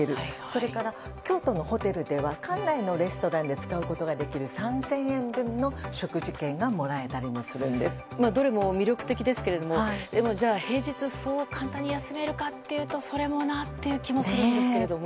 それから、京都のホテルでは館内のレストランで使うことができる３０００円分の食事券がどれも魅力的ですが平日、そう簡単に休めるかというとそれもなっていう気もするんですけども。